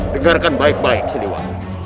dengarkan baik baik siliwon